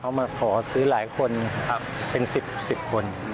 เขามาขอซื้อหลายคนเป็น๑๐๑๐คน